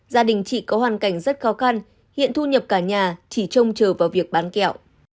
gia đình chị có hoàn cảnh rất khó khăn hiện thu nhập cả nhà chỉ trông chờ vào việc bán kẹo